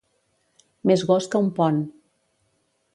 Més gos que un pont.